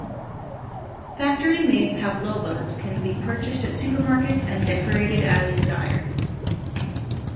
Factory-made pavlovas can be purchased at supermarkets and decorated as desired.